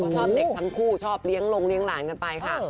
ชอบเด็กทั้งคู่ชอบเลี้ยงลงเลี้ยงหลานกันไปค่ะ